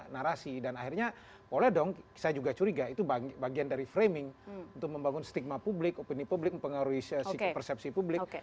narasi dan akhirnya boleh dong saya juga curiga itu bagian dari framing untuk membangun stigma publik opini publik mempengaruhi persepsi publik